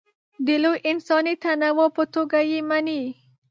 د لوی انساني تنوع په توګه یې مني.